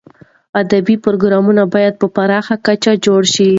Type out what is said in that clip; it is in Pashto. ادبي پروګرامونه باید په پراخه کچه جوړ شي.